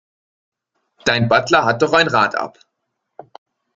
Dein Butler hat doch ein Rad ab.